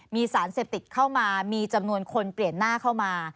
มีสารเสพติดเข้ามามีจำนวนคนเปลี่ยนหน้าเข้ามา